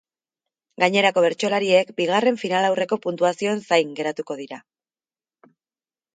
Gainerako bertsolariek bigarren finalaurreko puntuazioen zain geratuko dira.